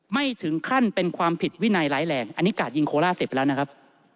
ผลปรากฏสอบบอกว่าถูกผลปิดวินัยร้ายแรงอันนี้กราดยิงโคราชเสพไปแล้วนะครับ